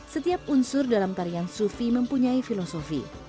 setiap unsur dalam tarian sufi mempunyai filosofi